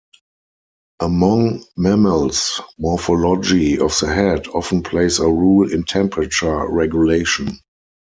Among mammals, morphology of the head often plays a role in temperature regulation.